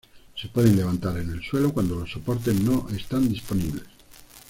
Se pueden levantar en el suelo cuando los soportes no están disponibles.